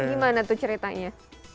gimana tuh ceritanya